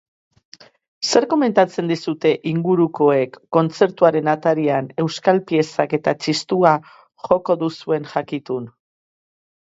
Zer komentatzen dizute ingurukoek kontzertuaren atarian euskal piezak eta txistua joko duzuen jakitun?